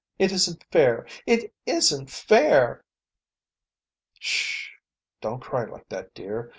It isn't fair. It isn't fair!" "Sh! Don't cry like that, dear.